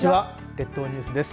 列島ニュースです。